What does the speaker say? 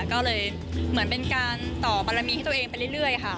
ก็เลยเหมือนเป็นการต่อบารมีให้ตัวเองไปเรื่อยค่ะ